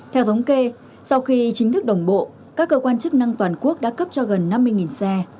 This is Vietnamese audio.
theo thống kê sau khi chính thức đồng bộ các cơ quan chức năng toàn quốc đã cấp cho gần năm mươi xe